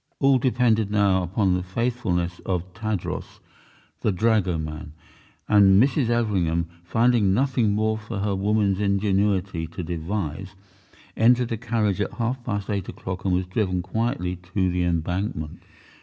All depended now upon the faithfulness of Tadros the dragoman, and Mrs. Everingham, finding nothing more for her woman's ingenuity to devise, entered a carriage at half past eight o'clock and was driven quietly to the embankment.